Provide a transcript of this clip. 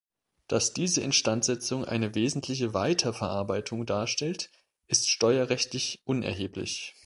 Dass diese Instandsetzung eine wesentliche Weiterverarbeitung darstellt, ist steuerrechtlich unerheblich.